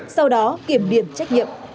sau đó kiểm điển trách nhiệm